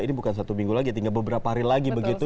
ini bukan satu minggu lagi tinggal beberapa hari lagi begitu